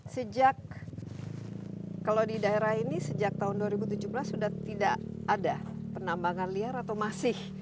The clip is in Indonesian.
sejak kalau di daerah ini sejak tahun dua ribu tujuh belas sudah tidak ada penambangan liar atau masih